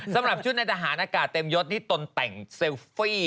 สำหรับชุดในทหารอากาศเต็มยศที่ตนแต่งเซลฟี่